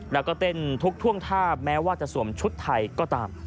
แล้วก็เต้นทุกท่วงท่าแม้ว่าจะสวมชุดไทยก็ตาม